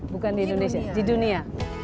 bukan di indonesia di dunia